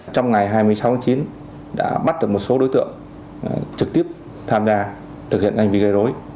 trong ngày hai mươi sáu tháng chín đã bắt được một số đối tượng trực tiếp tham gia thực hiện hành vi gây dối